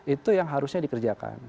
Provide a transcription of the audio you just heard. itu yang harusnya dikerjakan